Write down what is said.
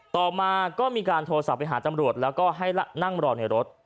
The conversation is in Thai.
ต่อมาก็มีการโทรศัพท์ไปหาตำรวจแล้วก็ให้นั่งรอในรถ